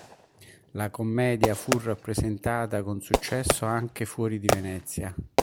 La commedia fu rappresentata con successo anche fuori di Venezia.